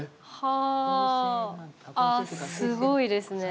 あすごいですね。